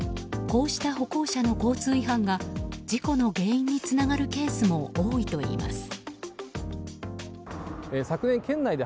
こうした歩行者の交通違反が事故の原因につながるケースも多いといいます。